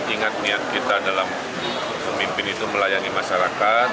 ingat niat kita dalam memimpin itu melayani masyarakat